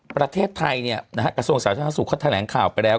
ประเทศไทยกระทรวงสาวชาติศูกรเขาแถลงข่าวไปแล้ว